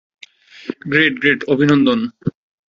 Great, great, অভিনন্দন।